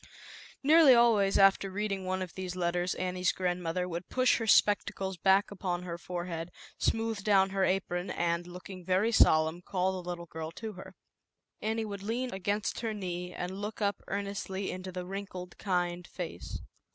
Nearly always after reading one of these letters, Annie's grandmother would push her spectacles back upon her fore head, smooth down her apron and, look ing very solemn, call the little girl to her. Annie would lean against her knee and look up earnestly into the wrinkled, kind face.